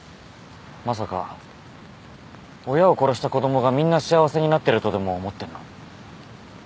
まさか親を殺した子供がみんな幸せになってるとでも思ってんの？